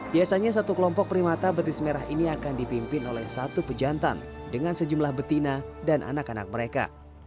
biasanya satu kelompok primata betis merah ini akan dipimpin oleh satu pejantan dengan sejumlah betina dan anak anak mereka